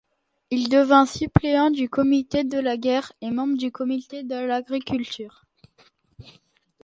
Il devint suppléant du Comité de la guerre et membre du Comité de l'Agriculture.